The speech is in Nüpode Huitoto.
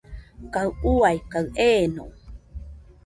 Kaɨ ua kaɨ eeno.